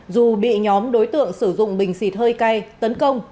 dù bị nhóm đối tượng sử dụng bình xịt hơi cay tấn công